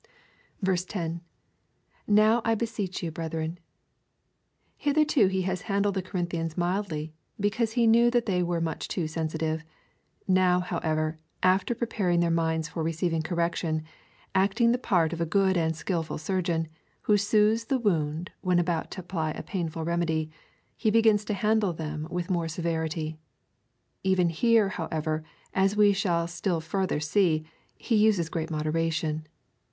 Now I beseech you, brethren. Hitherto he has handled the Corinthians mildly, because he knew that they were much too sensitive. Now, however, after preparing their minds for receiving correction, acting the part of a good and skilful surgeon, who soothes the wound when about to apply a painful remedy, he begins to handle them with more severity. Even here, however, as we shall still farther see, he uses great moderation.